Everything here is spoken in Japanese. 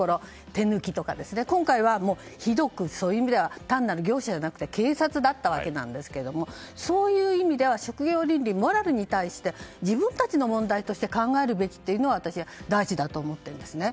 手抜きとか今回はひどくそういう意味では単なる行政ではなくて警察だったわけなんですがそういう意味では職業倫理、モラルに対して自分たちの問題として考えるべきことが私は大事だと思ってるんですね。